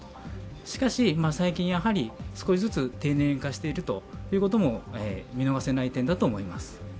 しかし最近、少しずつ低年齢化していることも見逃せない点だと思います。